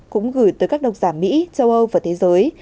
cũng gửi tới các độc giả mỹ châu âu và thế giới